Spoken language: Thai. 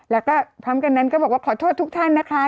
แล้วก็พร้อมกันนั้นก็บอกว่าขอโทษทุกท่านนะคะ